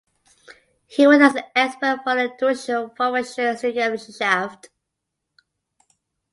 He worked as an expert for the Deutsche Forschungsgemeinschaft.